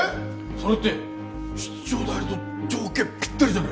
それって室長代理と条件ぴったりじゃないですか。